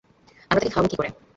আমরা তাঁকে খাওয়াব কী করে?